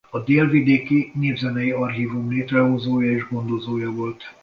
A Délvidéki Népzenei Archívum létrehozója és gondozója volt.